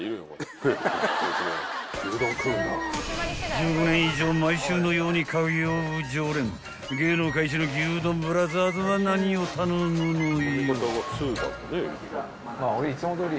［１５年以上毎週のように通う常連芸能界一の牛丼ブラザーズは何を頼むのよ］